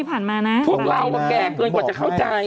พวกเราก็แก่เกินกว่าจะเข้าใจ